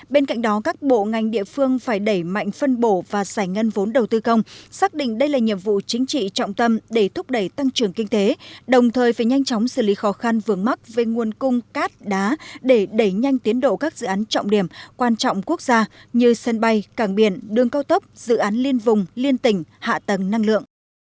bên cạnh đó các bộ ngành địa phương phải đẩy mạnh phân bổ và giải ngân vốn đầu tư công xác định đây là nhiệm vụ chính trị trọng tâm để thúc đẩy tăng trưởng kinh tế đồng thời phải nhanh chóng xử lý khó khăn vườn mắc với nguồn cung cát đá để đẩy nhanh tiến độ các dự án trọng điểm quan trọng quốc gia như sân bay cảng biển đường cao tốc dự án liên vùng liên tỉnh hạ tầng năng lượng